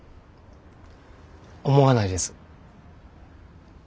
思わないです。